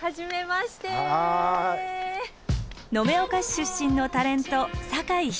延岡市出身のタレント酒井瞳さん。